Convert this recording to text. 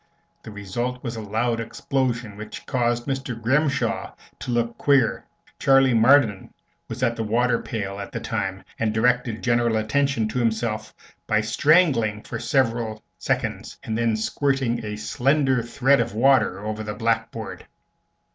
The result was a loud explosion, which caused Mr. Grimshaw to look queer. Charley Marden was at the water pail, at the time, and directed general attention to himself by strangling for several seconds and then squirting a slender thread of water over the blackboard.